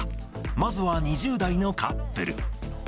まずは２０代のカップル。